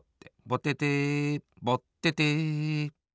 ぼててぼってて。